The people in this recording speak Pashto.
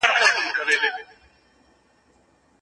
هغه اوس په خپله خونه کې په ارامۍ سره ناست دی.